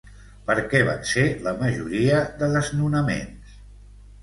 Per què van ser la majoria de desnonaments?